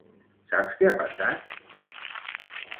Saps què ha passat?